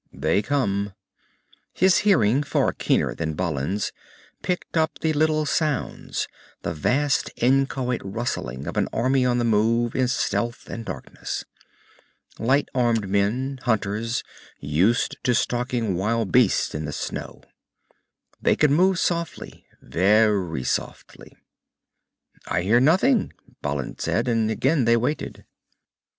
"They come." His hearing, far keener than Balin's, picked up the little sounds, the vast inchoate rustling of an army on the move in stealth and darkness. Light armed men, hunters, used to stalking wild beasts in the show. They could move softly, very softly. "I hear nothing," Balin said, and again they waited.